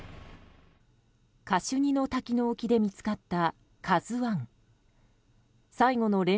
カシュニの滝の沖で見つかった「ＫＡＺＵ１」。